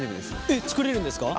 えっ作れるんですか？